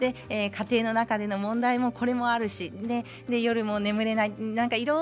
家庭の中での問題もあるし夜も眠れない。